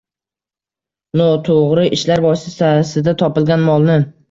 Noto‘g‘ri ishlar vositasida topilgan molni